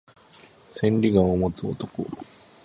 千里眼を持つ男